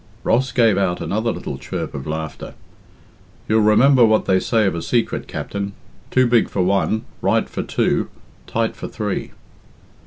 Ross gave out another little chirp of laughter. "You'll remember what they say of a secret, Captain too big for one, right for two, tight for three."